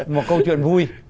một câu chuyện vui